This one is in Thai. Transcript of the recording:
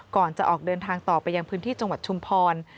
ก่อนจะออกเดินทางต่อไปยังพื้นที่จังหวัดชุมพร